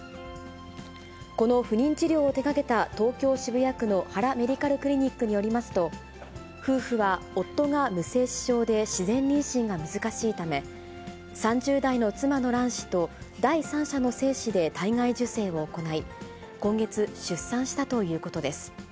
この不妊治療を手がけた東京・渋谷区のはらメディカルクリニックによりますと、夫婦は夫が無精子症で自然妊娠が難しいため、３０代の妻の卵子と第三者の精子で体外受精を行い、今月、出産したということです。